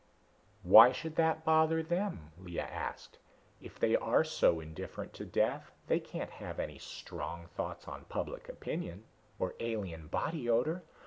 "Why should that bother them?" Lea asked. "If they are so indifferent to death, they can't have any strong thoughts on public opinion or alien body odor.